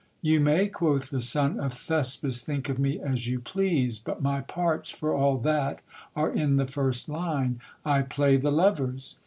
You may, quoth the son of Thespis, t link of me as you please ; but my parts, for all that, are in the first line ; I j lay the lovers.